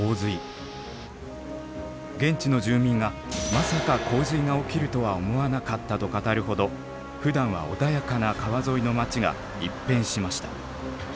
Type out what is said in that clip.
現地の住民が「まさか洪水が起きるとは思わなかった」と語るほどふだんは穏やかな川沿いの町が一変しました。